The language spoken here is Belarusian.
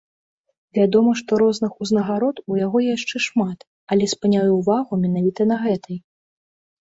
Вядома, што розных узнагарод у яго яшчэ шмат, але спыняю ўвагу менавіта на гэтай.